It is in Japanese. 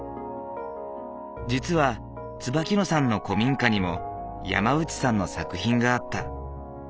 実は椿野さんの古民家にも山内さんの作品があった。